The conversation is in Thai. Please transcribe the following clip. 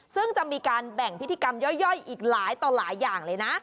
ซึ่งจะมีการแบ่งพิธีกรรมย่อยอีกหลายต่อหลายอย่างเลยนะ